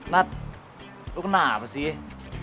nat lo kenapa sih